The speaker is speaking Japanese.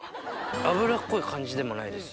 脂っこい感じでもないです。